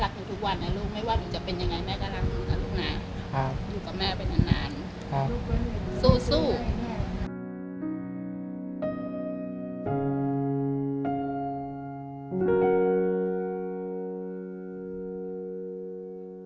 ขอบคุณค่ะ